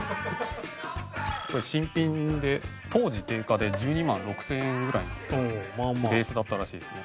新品で当時定価で１２万６０００円ぐらいのベースだったらしいですね。